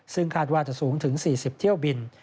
ซึ่งคาดว่าจะสูงถึง๔๐เที่ยวบิน